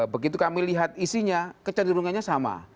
begitu kami lihat isinya kecenderungannya sama